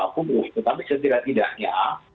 kumuh tetapi setidak tidaknya